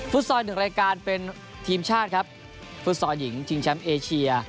ซอยหนึ่งรายการเป็นทีมชาติครับฟุตซอลหญิงชิงแชมป์เอเชีย